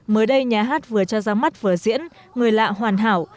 mới đây nhà hát vừa cho ra mắt vừa diễn người lạ hoàn hảo